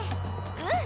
うん！